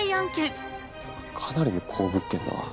かなりの好物件だ。